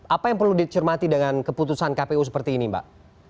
apa yang perlu dicermati dengan keputusan kpu seperti ini mbak